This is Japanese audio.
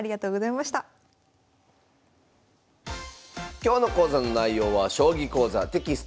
今日の講座の内容は「将棋講座」テキスト